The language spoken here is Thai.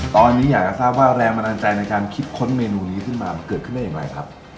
ตอนนี้อยากจะทราบว่าแรงบันดาลใจในการคิดค้นเมนูนี้ขึ้นมามันเกิดขึ้นได้อย่างไรครับ